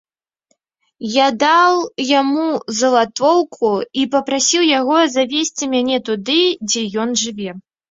Я даў яму залатоўку і папрасіў яго завесці мяне туды, дзе ён жыве.